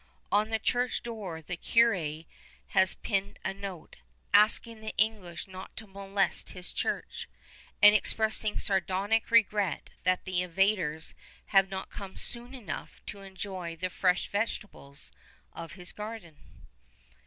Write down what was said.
On the church door the curé has pinned a note, asking the English not to molest his church; and expressing sardonic regret that the invaders have not come soon enough to enjoy the fresh vegetables of his garden.